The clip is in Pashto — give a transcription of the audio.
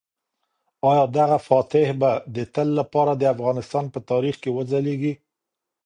آیا دغه فاتح به د تل لپاره د افغانستان په تاریخ کې وځلیږي؟